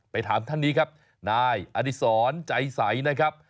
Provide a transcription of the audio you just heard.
ถามท่านนี้ครับนายอดิษรใจใสนะครับ